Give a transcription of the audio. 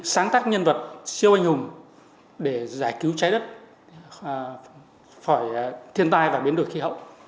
sáng tác nhân vật siêu anh hùng để giải cứu trái đất khỏi thiên tai và biến đổi khí hậu